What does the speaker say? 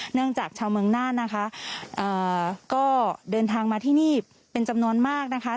จากชาวเมืองน่านนะคะก็เดินทางมาที่นี่เป็นจำนวนมากนะคะ